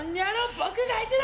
僕が相手だ！